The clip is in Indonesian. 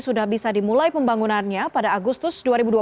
sudah bisa dimulai pembangunannya pada agustus dua ribu dua puluh